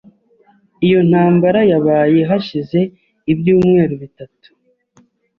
Iyo ntambara yabaye hashize ibyumweru bitatu .